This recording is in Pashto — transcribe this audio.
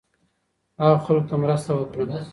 هغه خلکو ته مرسته وکړه